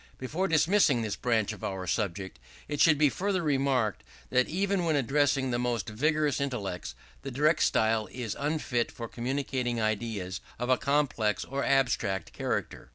Before dismissing this branch of our subject, it should be further remarked, that even when addressing the most vigorous intellects, the direct style is unfit for communicating ideas of a complex or abstract character.